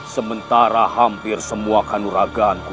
sementara hampir semua kanuragaanku